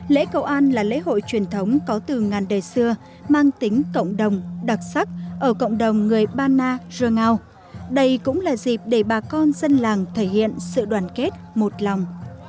lễ cầu an là lễ hội truyền thống có từ ngàn đời xưa mang tính cộng đồng đặc sắc ở cộng đồng người ba na jo ngao đây cũng là dịp để bà con dân làng thể hiện sự đoàn kết một lòng